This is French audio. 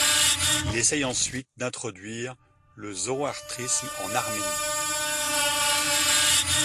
Il essaie ensuite d'introduire le zoroastrisme en Arménie.